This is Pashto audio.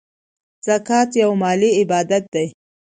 زکات یو مالی عبادت دی .